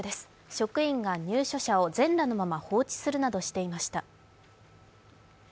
職員が入所者を全裸のまま放置するなどしていました。